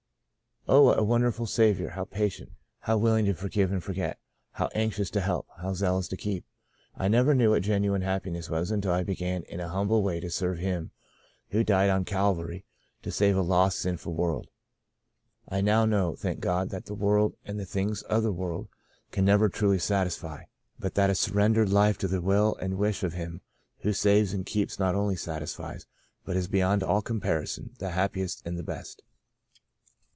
Oh, what a wonderful Saviour — how patient — how willing to forgive and forget — how anx ious to help — how zealous to keep. I never knew what genuine happiness was until I be gan in an humble way to serve Him who died on Calvary to save a lost, sinful world. I now know, thank God, that the world and the things of the world can never truly sat isfy, but that a surrendered life to the will and wish of Him who saves and keeps not only satisfies, but is beyond all comparison the happiest and the best.